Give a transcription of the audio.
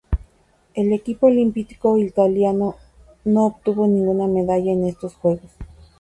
El equipo olímpico italiano no obtuvo ninguna medalla en estos Juegos.